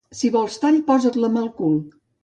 Si vols tall, posa't la mà al cul.